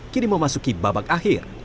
kini memasuki babak akhir